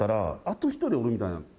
あと１人おるみたいな。